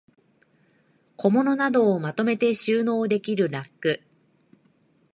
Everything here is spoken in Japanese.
小物などをまとめて収納できるラック